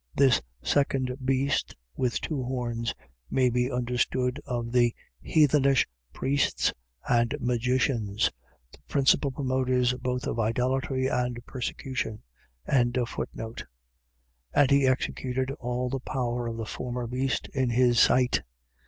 . .This second beast with two horns, may be understood of the heathenish priests and magicians; the principal promoters both of idolatry and persecution. 13:12. And he executed all the power of the former beast in his sight.